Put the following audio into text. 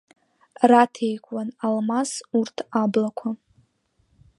Раҭеикуан Алмас, урҭ аблақәа.